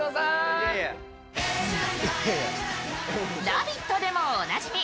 「ラヴィット！」でもおなじみ